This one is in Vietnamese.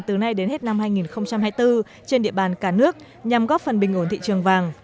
từ nay đến hết năm hai nghìn hai mươi bốn trên địa bàn cả nước nhằm góp phần bình ổn thị trường vàng